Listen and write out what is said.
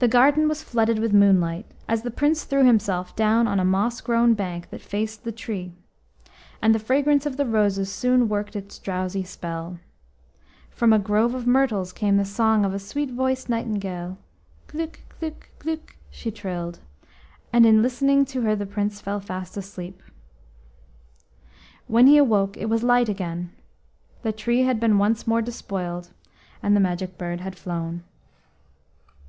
The garden was flooded with moonlight as the Prince threw himself down on a moss grown bank that faced the tree, and the fragrance of the roses soon worked its drowsy spell. From a grove of myrtles came the song of a sweet voiced nightingale; "Glück glück glück" she trilled, and in listening to her the Prince fell fast asleep. When he awoke it was light again. The tree had been once more despoiled, and the Magic Bird had flown.